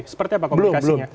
seperti apa komunikasinya